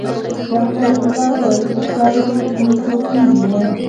ډاکتر رفيع الله وويل چې په چارواکو کښې کوم څوک پېژني.